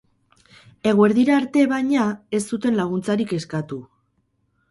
Eguerdira arte, baina, ez zuten laguntzarik eskatu.